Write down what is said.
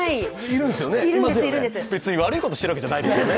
別に悪いことしているわけじゃないですよね。